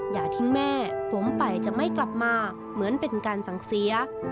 อย่าทิ้งแม่ผมไปจะไม่กลับมาเหมือนเป็นการสั่งเสีย